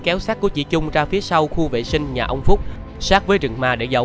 kéo sát của chị trung ra phía sau khu vệ sinh nhà ông phúc sát với rừng ma để dậ